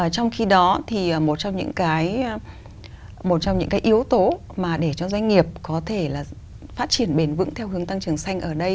trong khi đó thì một trong những cái yếu tố mà để cho doanh nghiệp có thể là phát triển bền vững theo hướng tăng trưởng xanh ở đây